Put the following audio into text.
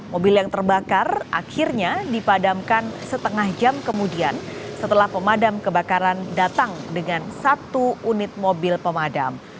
mobil yang terbakar akhirnya dipadamkan setengah jam kemudian setelah pemadam kebakaran datang dengan satu unit mobil pemadam